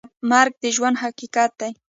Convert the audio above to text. مرګ د ژوند حقیقت دی